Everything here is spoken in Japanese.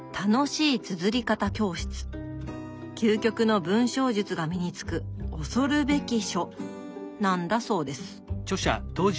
究極の文章術が身につく恐るべき書なんだそうです。